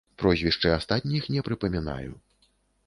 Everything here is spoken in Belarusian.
Прозвішчы астатніх не прыпамінаю.